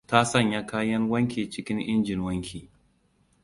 Ta sanya kayan wanki cikin injin wanki.